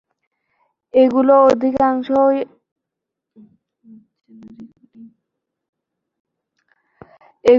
এগুলোর অধিকাংশই অবশ্য শক্তি উৎপাদনের ক্ষেত্রে।